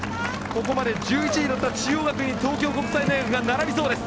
ここまで１１位だった中央学院に東京国際大学が並びそうです。